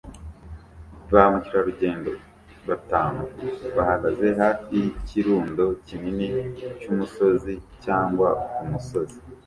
Ba mukerarugendo batanu bahagaze hafi yikirundo kinini cyumusozi cyangwa umusozi